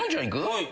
はい。